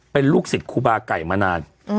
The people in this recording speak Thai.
เป็นลูกศิษย์ครูบาไก่มานาน